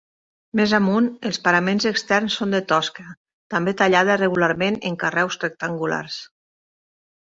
Més amunt, els paraments externs són de tosca, també tallada regularment en carreus rectangulars.